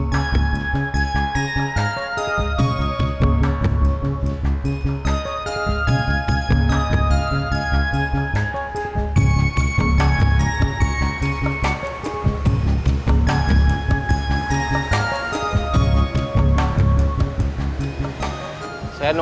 mungkin ada jalan keluar